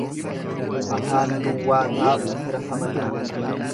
Afaan duwwaa taa'u fira hamata.